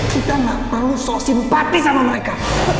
kita gak perlu soal simpati sama mereka